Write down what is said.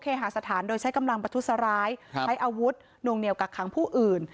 หาสถานโดยใช้กำลังประทุษร้ายใช้อาวุธนวงเหนียวกักขังผู้อื่น